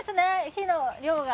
火の量が！